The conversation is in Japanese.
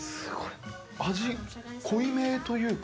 味濃い目というか、